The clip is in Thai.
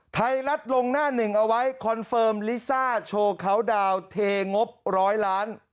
ไทยรัฐลงหน้าหนึ่งเอาไว้คอนเฟิร์มลิซ่าโชว์เขาดาวนเทงบร้อยล้าน